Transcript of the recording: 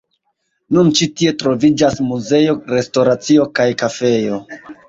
Nun ĉi tie troviĝas muzeo, restoracio kaj kafejo.